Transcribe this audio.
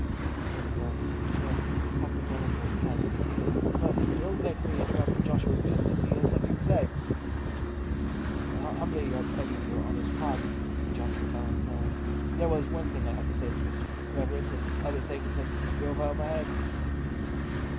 Turning round to take a chair, Captain Donnithorne said, "But don't let me interrupt Joshua's business—he has something to say." "Humbly begging Your Honour's pardon," said Joshua, bowing low, "there was one thing I had to say to His Reverence as other things had drove out o' my head."